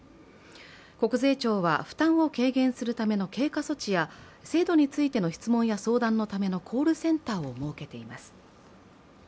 国税庁は負担を軽減するための経過措置や制度についての質問や相談のためのコールセンターを設けています。